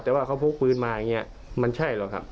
แต่ว่าเขาพกปืนมาอย่างนี้มันใช่หรอกครับ